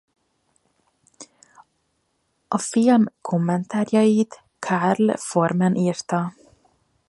A film kommentárjait Carl Foreman írta.